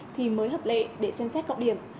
thì mới hấp lệ để xem xét cộng điểm